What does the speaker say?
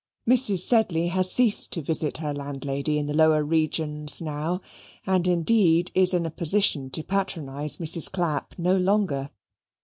Mrs. Sedley has ceased to visit her landlady in the lower regions now, and indeed is in a position to patronize Mrs. Clapp no longer.